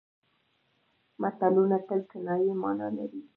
متلونه تل کنايي مانا لري